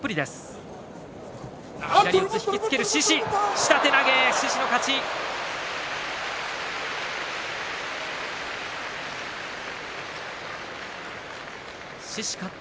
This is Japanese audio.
下手投げ、獅司の勝ち。